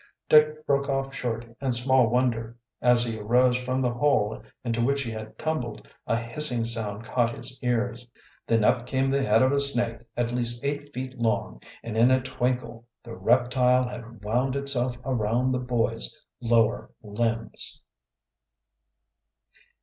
Dick broke off short, and small wonder. As 'he arose from the hole into which he had tumbled, a hissing sound caught his ears. Then up came the head of a snake at least eight feet long, and in a twinkle the reptile had wound itself around the boy's lower limbs!